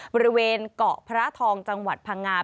บริเวณเกาะพระทองจังหวัดพังงา